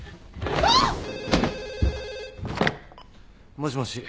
☎もしもし。